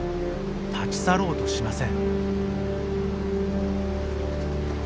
立ち去ろうとしません。